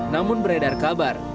namun beredar kabar